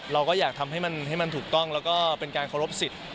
เราก็อยากทำให้มันถูกต้องแล้วก็เป็นการเคารพสิทธิ์